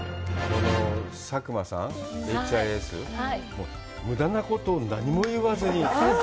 佐久間さん、ＨＩＳ、無駄なこと、何も言わずに。